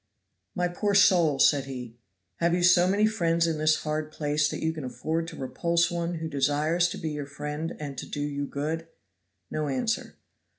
"My poor soul," said he, "have you so many friends in this hard place that you can afford to repulse one who desires to be your friend and to do you good?" No answer.